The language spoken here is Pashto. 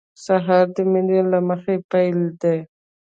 سهار د مینې له مخې پیل دی.